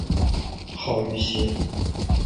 号玉溪。